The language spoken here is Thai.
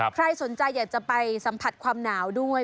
ใครสนใจอยากจะไปสัมผัสความหนาวด้วย